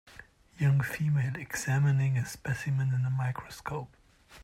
Young female examining a specimen in a microscope.